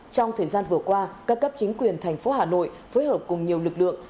trong thời gian vừa qua các cấp chính quyền tp hcm phối hợp cùng nhiều lực lượng